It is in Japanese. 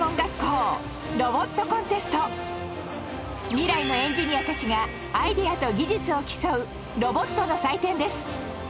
未来のエンジニアたちがアイデアと技術を競うロボットの祭典です。